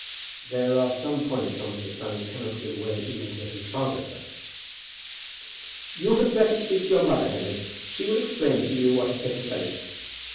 "There are some points on which a son cannot give way even to his father, sir." "You had better speak to your mother, Henry. She will explain to you what has taken place.